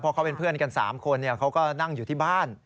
เพราะเขาเป็นเพื่อนกัน๓คนเขาก็นั่งอยู่ที่บ้าน